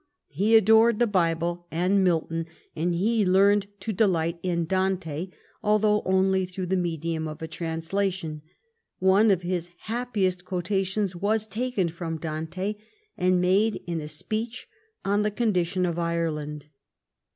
He adored the Bible and Milton, and he learned to delight in Dante, although only through the medium of a translation. One of his happiest quotations was taken from Dante and made in a speech on the condition of Ireland.